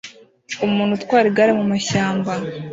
Umuntu utwara igare mumashyamba